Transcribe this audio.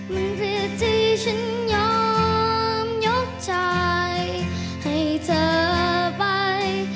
มันผิดที่ฉันยอมยกใจให้เธอไป